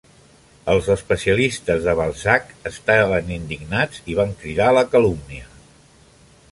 Els especialistes de Balzac estan indignats i van cridar a la calúmnia.